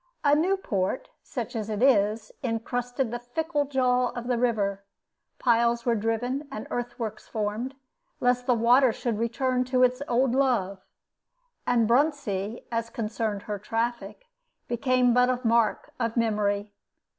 A new port, such as it is, incrusted the fickle jaw of the river; piles were driven and earth works formed, lest the water should return to its old love; and Bruntsea, as concerned her traffic, became but a mark of memory.